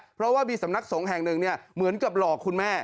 เพราะว่ามีสำนักสงฆ์แห่งหนึ่งเหมือนกับหลอกคุณแม่